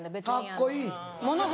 カッコいい。